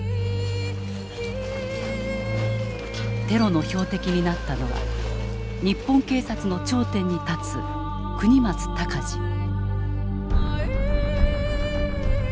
テロの標的になったのは日本警察の頂点に立つ國松孝次。